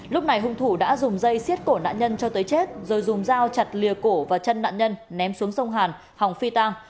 lúc này hung thủ đã dùng dây xiết cổ nạn nhân cho tới chết rồi dùng dao chặt lìa cổ và chân nạn nhân ném xuống sông hàn hòng phi tang